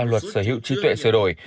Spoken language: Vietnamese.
luật sở hữu trí tuệ sửa đổi